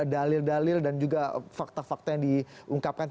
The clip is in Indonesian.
dalil dalil dan juga fakta fakta yang diungkapkan